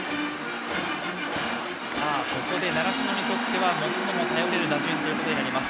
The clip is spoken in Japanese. ここで習志野にとってはもっとも頼れる打順となります。